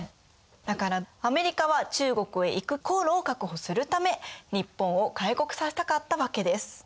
だからアメリカは中国へ行く航路を確保するため日本を開国させたかったわけです。